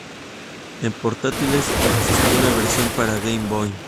En portátiles, existió una versión para Game Boy.